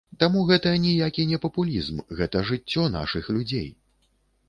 Таму гэта ніякі не папулізм, гэта жыццё нашых людзей.